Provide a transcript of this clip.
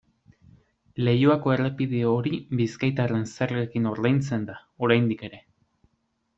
Leioako errepide hori bizkaitarren zergekin ordaintzen da, oraindik ere.